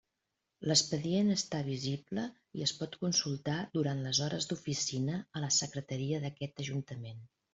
L'expedient està visible i es pot consultar durant les hores d'oficina a la secretaria d'aquest Ajuntament.